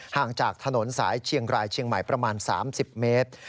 ห่างจากถนนสายเชียงรายเชียงใหม่ประมาณ๓๐เมตร